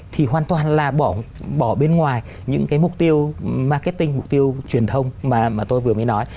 thì hoàn toàn là bỏ bên ngoài những cái mục tiêu marketing mục tiêu truyền thông mà tôi vừa mới nói